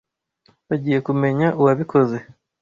Bagiyekumenya uwabikoze.